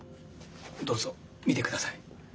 どうぞ見て下さい。